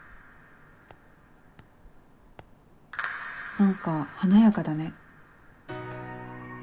何か華やかだね。